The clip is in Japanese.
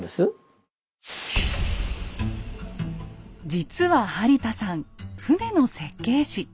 実は播田さん船の設計士。